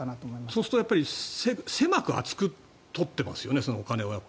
そうすると狭く厚く取ってますよね、お金を。